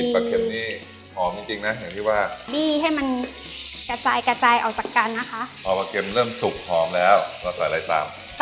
อ๋อแล้วไงต่อก็ให้เข้ากันก่อนนะคะครับแล้วก็ตาม